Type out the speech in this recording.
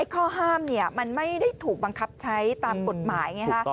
ข้อห้ามมันไม่ได้ถูกบังคับใช้ตามกฎหมายไงฮะ